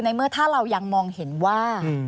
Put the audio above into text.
เมื่อถ้าเรายังมองเห็นว่า